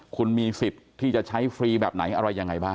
คุณมีสิทธิ์ที่จะใช้ฟรีแบบไหนอะไรยังไงบ้าง